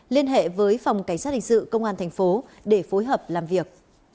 liên hệ với phòng cảnh sát hình sự công an tp hcm để phối hợp làm việc